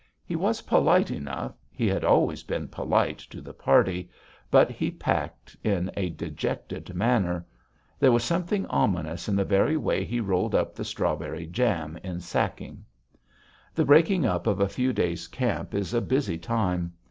He was polite enough he had always been polite to the party. But he packed in a dejected manner. There was something ominous in the very way he rolled up the strawberry jam in sacking. The breaking up of a few days' camp is a busy time.